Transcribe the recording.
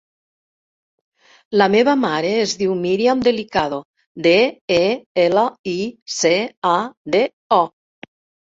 La meva mare es diu Míriam Delicado: de, e, ela, i, ce, a, de, o.